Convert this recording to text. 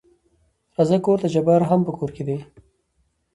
راځه کورته جبار هم په کور کې دى.